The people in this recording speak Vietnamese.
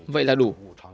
vậy là đủ